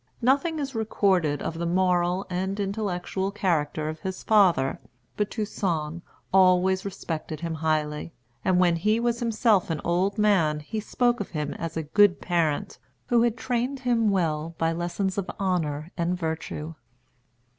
Nothing is recorded of the moral and intellectual character of his father; but Toussaint always respected him highly, and when he was himself an old man he spoke of him as a good parent, who had trained him well by lessons of honor and virtue.